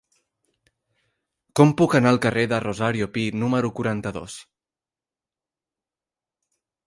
Com puc anar al carrer de Rosario Pi número quaranta-dos?